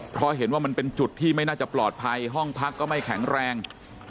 เพราะเห็นว่ามันเป็นจุดที่ไม่น่าจะปลอดภัยห้องพักก็ไม่แข็งแรง